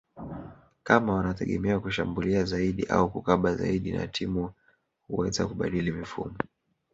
kama wanategemea kushambulia zaidi au kukaba zaidi na timu huweza kubadili mifumo